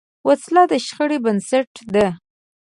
وسله د شخړو بنسټ ده